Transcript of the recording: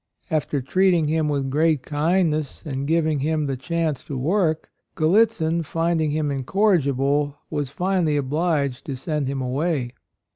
After treating him with great kind ness and giving him the chance to work, Gallitzin, finding him incorrigible, was finally obliged to send him away.